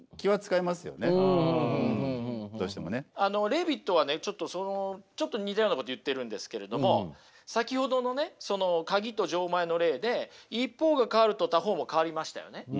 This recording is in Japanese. レーヴィットはねちょっと似たようなことを言っているんですけれども先ほどのねカギと錠前の例で一方が変わると他方も変わりましたよね。